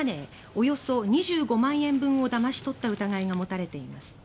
およそ２５万円分をだまし取った疑いが持たれています。